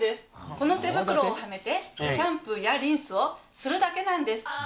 この手袋をはめて、シャンプーやリンスをするだけなんです。